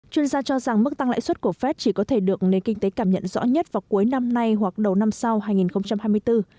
chuyên gia cho rằng mức tăng lãi suất của fed chỉ có thể được nền kinh tế cảm nhận rõ nhất vào cuối năm nay hoặc đầu năm sau hai nghìn hai mươi bốn